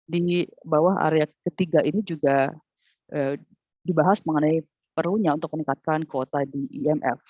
di bawah area ketiga ini juga dibahas mengenai perlunya untuk meningkatkan kuota di imf